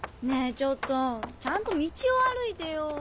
ちょっとちゃんと道を歩いてよ。